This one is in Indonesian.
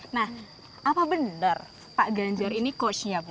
nah apa benar pak ganjar ini coachnya bu